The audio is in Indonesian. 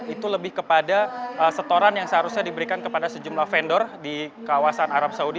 itu lebih kepada setoran yang seharusnya diberikan kepada sejumlah vendor di kawasan arab saudi